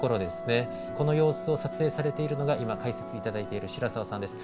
この様子を撮影されているのが今解説いただいている白澤さんです。